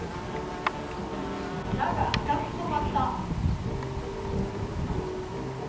花が赤くそまった。